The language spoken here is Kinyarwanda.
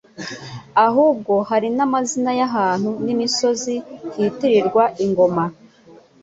ahubwo hari n'amazina y'ahantu n'imisozi hitirirwa ingoma.